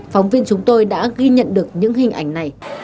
phóng viên chúng tôi đã ghi nhận được những hình ảnh này